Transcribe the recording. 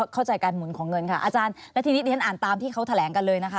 เข้าใจการหมุนของเงินค่ะอาจารย์แล้วทีนี้เรียนอ่านตามที่เขาแถลงกันเลยนะคะ